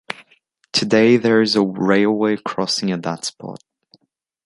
Today there is a railway crossing at that spot.